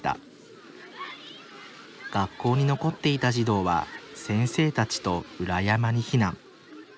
学校に残っていた児童は先生たちと裏山に避難。